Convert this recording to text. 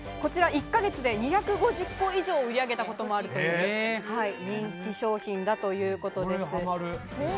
１ヶ月で２５０個以上売り上げたこともある人気商品だということです。